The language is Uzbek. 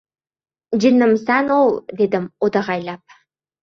— Jinnimisan, o‘v!— dedim o‘dag‘aylab.